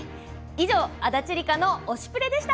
以上、足立梨花の「推しプレ！」でした。